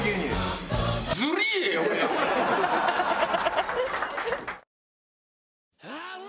ハハハハ！